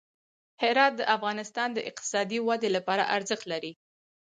هرات د افغانستان د اقتصادي ودې لپاره ارزښت لري.